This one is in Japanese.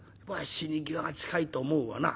死に際が近いと思うわな。